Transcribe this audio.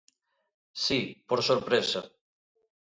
Si, por sorpresa!